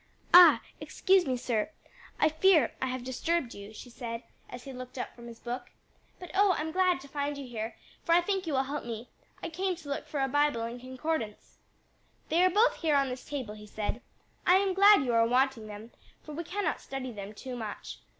"Ah, excuse me, sir! I fear I have disturbed you," she said, as he looked up from his book; "but oh, I'm glad to find you here! for I think you will help me. I came to look for a Bible and Concordance." "They are both here on this table," he said. "I am glad you are wanting them, for we cannot study them too much.